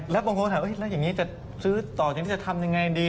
แล้วบางคนถามว่าอย่างนี้จะซื้อต่อจะทำยังไงดี